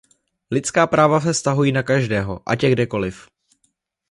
Lidská práva se vztahují na každého, ať je kdekoliv.